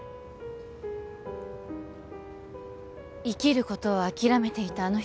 生きることを諦めていた